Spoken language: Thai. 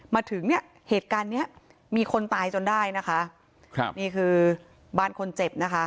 มาถึงเนี่ยเหตุการณ์เนี้ยมีคนตายจนได้นะคะครับนี่คือบ้านคนเจ็บนะคะ